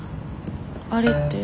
あれって？